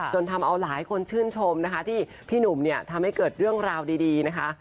ทำเอาหลายคนชื่นชมนะคะที่พี่หนุ่มเนี่ยทำให้เกิดเรื่องราวดีนะคะ